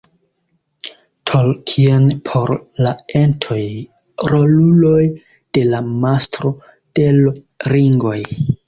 Tolkien por la Entoj, roluloj de La Mastro de l' ringoj.